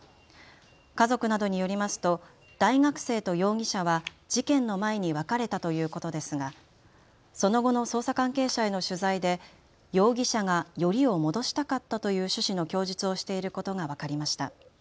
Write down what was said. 家族などによりますと大学生と容疑者は事件の前に別れたということですがその後の捜査関係者への取材で容疑者がよりを戻したかったという趣旨の供述をしていることが分かりました。